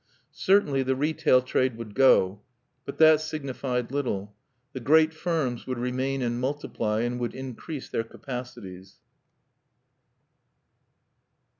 Certainly the retail trade would go. But that signified little. The great firms would remain and multiply, and would increase their capacities.